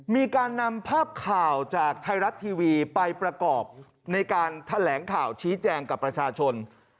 มีการนำภาพข่าวจากไทยรัฐทีวีไปประกอบในการแถลงข่าวชี้แจงกับประชาชน